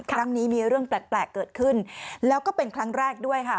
ครั้งนี้มีเรื่องแปลกเกิดขึ้นแล้วก็เป็นครั้งแรกด้วยค่ะ